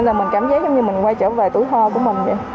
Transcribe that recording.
nên là mình cảm giác như mình quay trở về tuổi thơ của mình vậy